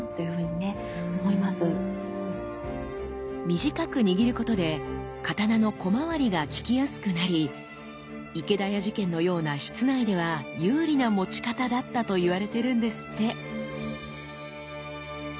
短く握ることで刀の小回りが利きやすくなり池田屋事件のような室内では有利な持ち方だったと言われてるんですって。